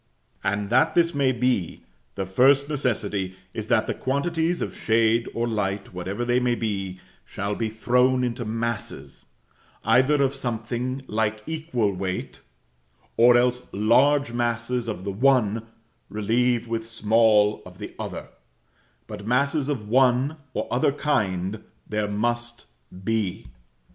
And that this may be, the first necessity is that the quantities of shade or light, whatever they may be, shall be thrown into masses, either of something like equal weight, or else large masses of the one relieved with small of the other; but masses of one or other kind there must be.